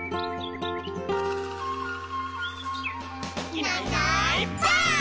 「いないいないばあっ！」